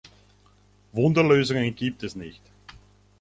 Wunderlösungen gibt es nicht.